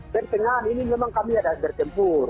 pertengahan ini memang kami ada bertempur